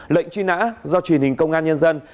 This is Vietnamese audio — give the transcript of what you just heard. lệnh truy nã do truyền hình công an nhân dân